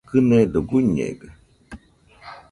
Kɨnedo guiñega